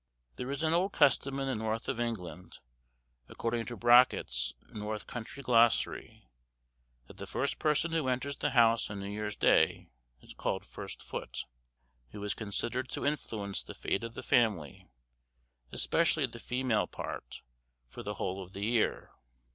There is an old custom in the north of England, according to Brockett's 'North Country Glossary,' that the first person who enters the house on New Year's Day is called First Foot, who is considered to influence the fate of the family, especially the female part, for the whole of the year.